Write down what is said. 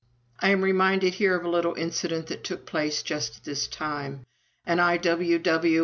I am reminded here of a little incident that took place just at this time. An I.W.W.